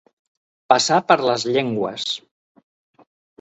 Passar per les llengües.